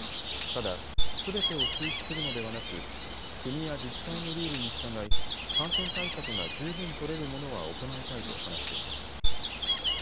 ただ、すべてを中止するのではなく国や自治体のルールに従い感染対策が十分取れるものは行いたいと話しています。